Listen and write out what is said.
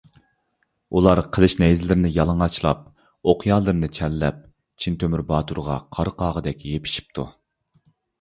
ئۇلار قىلىچ-نەيزىلىرىنى يالىڭاچلاپ، ئوقيالىرىنى چەنلەپ، چىن تۆمۈر باتۇرغا قارا قاغىدەك يېپىشىپتۇ.